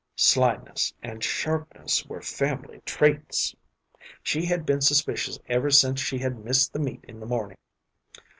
Slyness and sharpness were family traits. She had been suspicious ever since she had missed the meat in the morning.